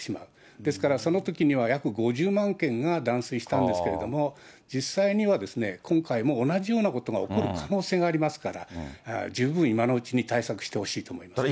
ですからそのときには約５０万軒が断水したんですけれども、実際には今回も同じようなことが起こる可能性がありますから、十分今のうちに対策してほしいと思いますね。